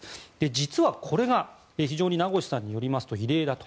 実はこれが名越さんによりますと非常に異例だと。